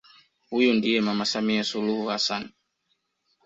Huyu ndiye mama Samia Suluhu Hassan